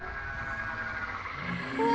うわ！